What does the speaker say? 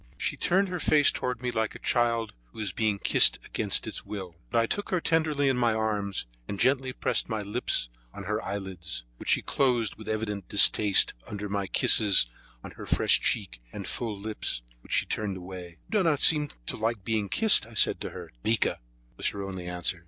She turned her face toward me like a child who is being kissed against its will; but I took her tenderly in my arms, and gently pressed my lips on her eyelids, which she closed with evident distaste under my kisses on her fresh cheek and full lips, which she turned away. "You don't seem to like being kissed," I said to her. "Mica!" was her only answer.